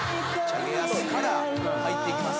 チャゲアスから入っていきます。